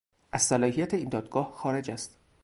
از صلاحیت این دادگاه خارج است.